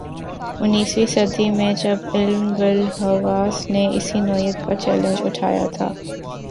انیسویں صدی میں جب علم بالحواس نے اسی نوعیت کا چیلنج اٹھایا تھا۔